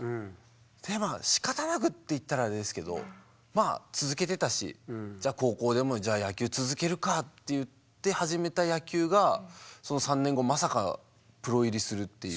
それでまあしかたなくって言ったらあれですけどまあ続けてたしじゃあ高校でも野球続けるかって言って始めた野球がその３年後まさかプロ入りするっていう。